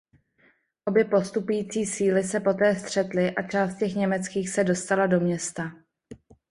Obě postupující síly se poté střetly a část těch německých se dostala do města.